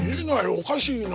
おかしいな。